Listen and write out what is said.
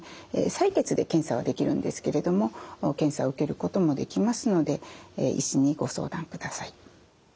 採血で検査はできるんですけれども検査を受けることもできますので医師にご相談ください。